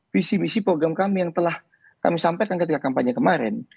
visi misi program kami yang telah kami sampaikan ketika kampanye kemarin